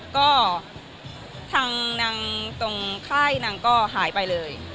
ก็ทางนางตรงค่ายนางก็หายไปเลย